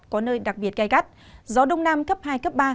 có nơi đặc biệt gai gắt gió đông nam cấp hai cấp ba